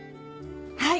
はい！